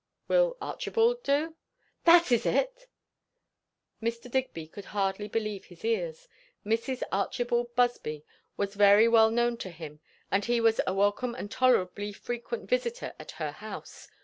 "Will Archibald do?" "That is it!" Mr. Digby could hardly believe his ears. Mrs. Archibald Busby was very well known to him, and he was a welcome and tolerably frequent visiter at her house.